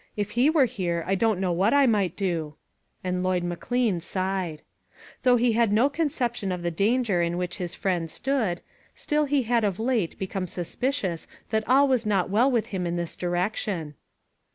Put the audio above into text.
If he were here, I don't know what I might do," and Lloyd McLean sighed. Although he had do . conception of the danger in which his friend stood, still he had of late become suspicious that all was not well with him in this direction.